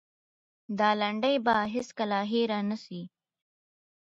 دا لنډۍ به هېڅکله هېره نه سي.